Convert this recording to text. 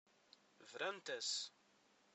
Brant-as.